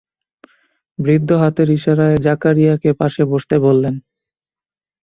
বৃদ্ধ হাতের ইশারায় জাকারিয়াকে পাশে বসতে বললেন।